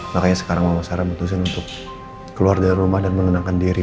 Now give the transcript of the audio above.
makanya sekarang mama sarah memutuskan untuk keluar dari rumah dan menenangkan diri